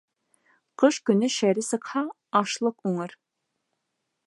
Ҡыш көнө шәре сыҡһа, ашлыҡ уңыр.